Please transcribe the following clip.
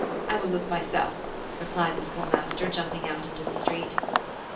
_ I will look myself," replied the Schoolmaster, jumping out into the street.